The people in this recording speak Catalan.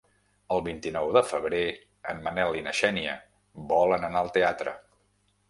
El vint-i-nou de febrer en Manel i na Xènia volen anar al teatre.